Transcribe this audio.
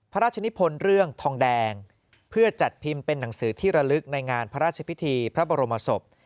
พระราชนิพลเรื่องทองแดงเพื่อจัดพิมพ์เป็นหนังสือที่ระลึกในงานพระราชพิธีพระบรมศพ